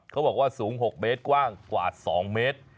เขาบอกว่าสูง๖เมตรกว้างกว่า๒เมตร